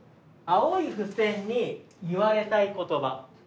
青い付箋に言われたい言葉。